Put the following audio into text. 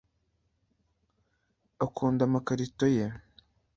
akunda amakarito ye